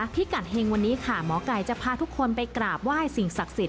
พิกัดเฮงวันนี้ค่ะหมอไก่จะพาทุกคนไปกราบไหว้สิ่งศักดิ์สิทธ